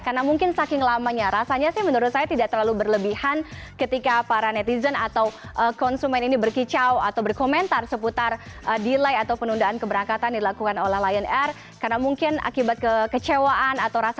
karena mungkin saking lamanya rasanya sih menurut saya tidak terlalu berlebihan ketika para netizen atau konsumen ini berkicau atau berkomentar seputar delay atau penundaan keberangkatan